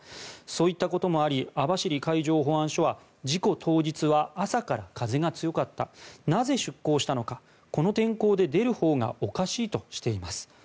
そういったこともあり網走海上保安署は事故当日は朝から風が強かったなぜ出航したのかこの天候で出るほうがおかしいとしています。